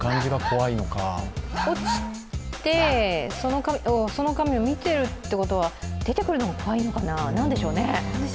落ちて、その紙を見てるってことは、出てくるのが怖いんですかね。